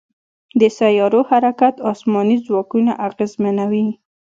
د سیارو حرکت اسماني ځواکونه اغېزمنوي.